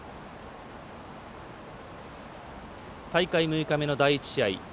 大会６日目の第１試合